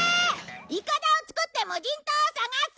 いかだを作って無人島を探す！？